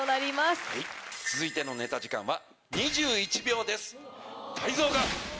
続いてのネタ時間は。